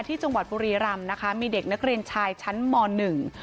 ที่จังหวัดบุรีรำนะคะมีเด็กนักเรียนชายชั้นมหนึ่ง